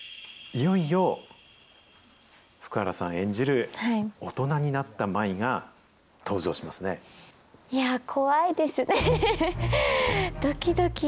いよいよ、福原さん演じる大人にいやー、怖いですね。